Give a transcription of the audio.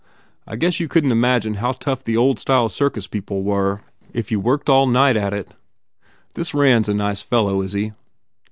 I guess you couldn t imagine how tough the old style circus people were if you worked all night at it. This Rand s a nice fellow, is he?"